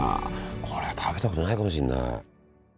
これは食べたことないかもしんない。